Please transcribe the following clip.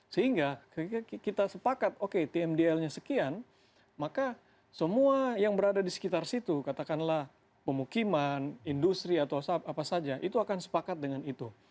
sehingga kita sepakat oke tmdl nya sekian maka semua yang berada di sekitar situ katakanlah pemukiman industri atau apa saja itu akan sepakat dengan itu